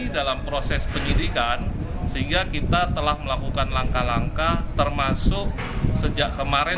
dalam proses penyidikan sehingga kita telah melakukan langkah langkah termasuk sejak kemarin